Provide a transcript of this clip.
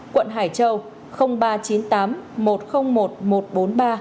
quận hải châu ba trăm chín mươi tám một trăm linh một một trăm bốn mươi ba